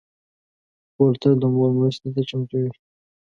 خور تل د مور مرستې ته چمتو وي.